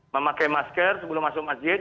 memakai masker sebelum masuk masjid